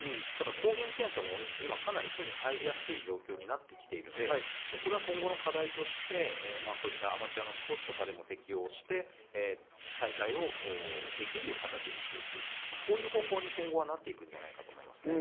ただ抗原検査も今かなり手に入りやすい状況になってきているので、これは今後の課題として、こういったアマチュアのスポーツでも適用して、大会をできる形にしていくという方向に今後はなっていくんじゃないかと思います。